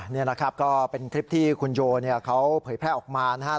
นี่นะครับก็เป็นคลิปที่คุณโยเขาเผยแพร่ออกมานะครับ